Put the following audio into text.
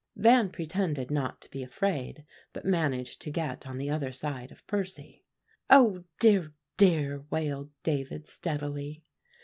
Van pretended not to be afraid, but managed to get on the other side of Percy. "Oh, dear dear!" wailed David steadily.